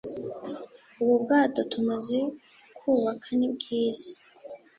ubu bwato tumaze kubaka ni bwiza--